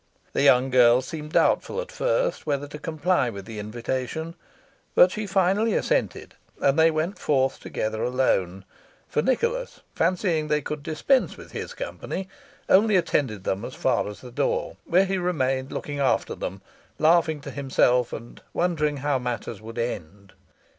The young girl seemed doubtful at first whether to comply with the invitation; but she finally assented, and they went forth together alone, for Nicholas, fancying they could dispense with his company, only attended them as far as the door, where he remained looking after them, laughing to himself, and wondering how matters would end.